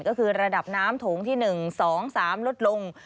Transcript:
ก็คือระดับน้ำโถงที่๑๒๓ลดลง